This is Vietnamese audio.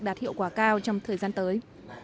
đạt hiệu quả cao trong thời gian tới